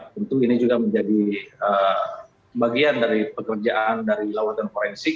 tentu ini juga menjadi bagian dari pekerjaan dari lawatan forensik